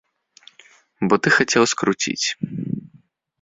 Бо ты хацеў скруціць.